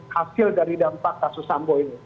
hasil dari dampak kasus sambo ini